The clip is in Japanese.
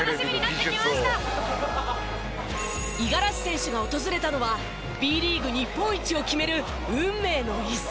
五十嵐選手が訪れたのはＢリーグ日本一を決める運命の一戦。